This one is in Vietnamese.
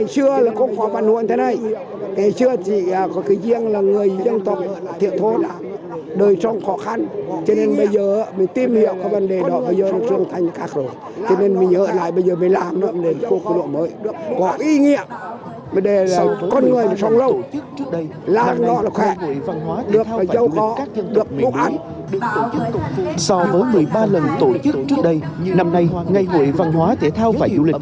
so với một mươi ba lần tổ chức trước đây năm nay ngày hội văn hóa thể thao và du lịch